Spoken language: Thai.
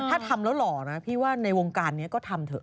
ถ้าทำแล้วหล่อนะพี่ว่าในวงการนี้ก็ทำเถอะ